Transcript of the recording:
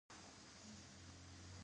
ایران د سیمې د ثبات لپاره مهم دی.